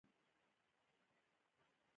• خندا د ژوند رڼا ده.